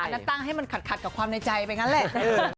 นั่งตั้งให้มันขัดกับความในใจไปงั้นแหละ